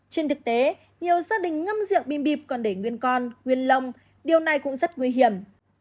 trên thực tế nhiều gia đình ngâm rượu bìm bịp còn để nguyên con nguyên lông điều này cũng rất nguy hiểm